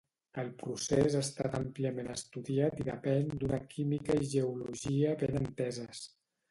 El procés ha estat àmpliament estudiat i depèn d'una química i geologia ben enteses.